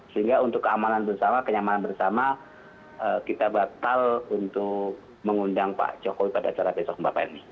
sehingga untuk keamanan bersama kenyamanan bersama kita batal untuk mengundang pak jokowi pada acara besok bapak ini